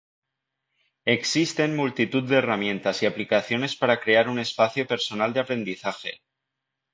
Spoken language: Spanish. Existen multitud de herramientas y aplicaciones para crear un espacio personal de aprendizaje.